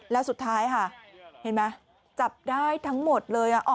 แล้วสุดท้ายค่ะเห็นไหมจับได้ทั้งหมดเลย